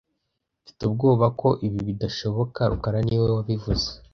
Mfite ubwoba ko ibi bidashoboka rukara niwe wabivuze